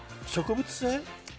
植物性？